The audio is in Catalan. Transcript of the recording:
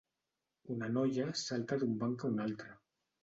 Una noia salta d'un banc a un altre.